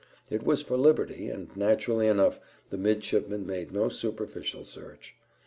It was for liberty, and naturally enough the midshipman made no superficial search.